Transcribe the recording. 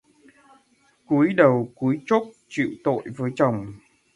Cúi đầu cúi trốt chịu tội với chồng